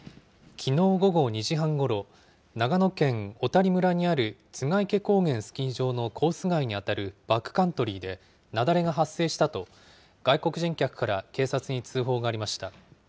きのう午後２時半ごろ、長野県小谷村にある栂池高原スキー場のコース外に当たるバックカントリーで雪崩が発生したと、外国人客から警察に通報がありました。